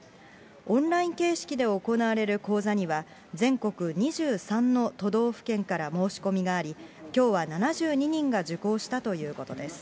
オンライン形式で行われる講座には、全国２３の都道府県から申し込みがあり、きょうは７２人が受講したということです。